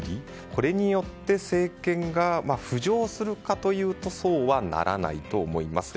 これによって政権が浮上するかというとそうはならないと思います。